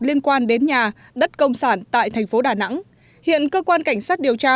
liên quan đến nhà đất công sản tại thành phố đà nẵng hiện cơ quan cảnh sát điều tra bộ công an đã